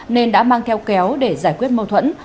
nên đã mang theo kéo để giải quyết mâu thuẫn